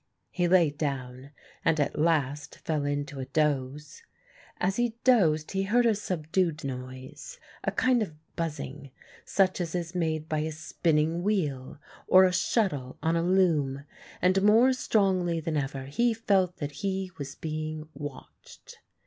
He lay down and at last fell into a doze. As he dozed he heard a subdued noise, a kind of buzzing, such as is made by a spinning wheel or a shuttle on a loom, and more strongly than ever he felt that he was being watched.